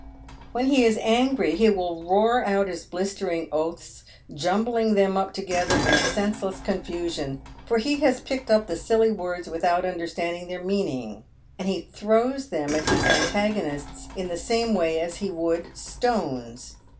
When he is angry he will roar out his blistering oaths, jumbling them up together in senseless con fusion, for he has picked up the silly words without understanding their meaning, and he throws them at his antagonists in the same way as he would stones.